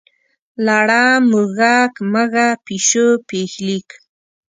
لړم، موږک، مږه، پیشو، پیښلیک.